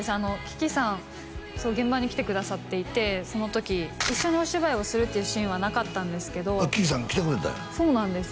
樹木さん現場に来てくださっていてその時一緒にお芝居をするっていうシーンはなかったんですけど樹木さん来てくれたんや？